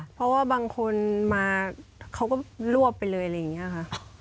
เพราะว่าบางคนมาเขาก็รวบไปเลยอะไรอย่างนี้ค่ะ